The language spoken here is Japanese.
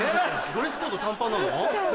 ドレスコード短パンなの？